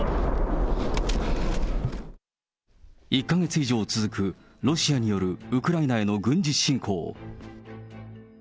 １か月以上続く、ロシアによるウクライナへの軍事侵攻。